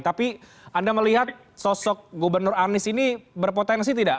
tapi anda melihat sosok gubernur anies ini berpotensi tidak